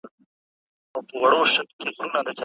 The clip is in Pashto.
د قیامت په ورځ به د هرې ذرې حساب وسي.